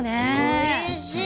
おいしい！